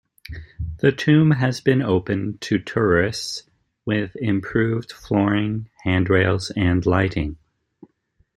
The tomb has been opened to tourists with improved flooring, handrails and lighting.